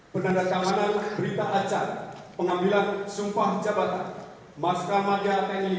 kepada menteri sosial sisa masa jabatan